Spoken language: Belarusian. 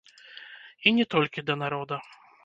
І не толькі да народа.